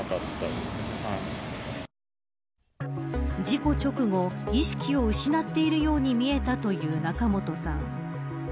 事故直後意識を失っているように見えたという仲本さん。